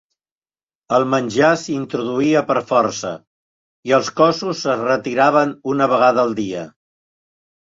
El menjar s'introduïa per força i els cossos es retiraven una vegada al dia.